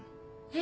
え！